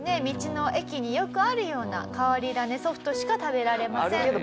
道の駅によくあるような変わり種ソフトしか食べられません。